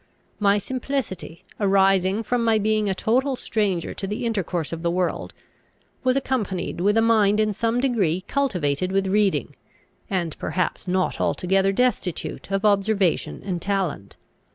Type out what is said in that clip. My simplicity, arising from my being a total stranger to the intercourse of the world, was accompanied with a mind in some degree cultivated with reading, and perhaps not altogether destitute of observation and talent.